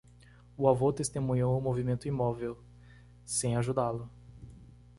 O avô testemunhou um movimento imóvel, sem ajudá-lo.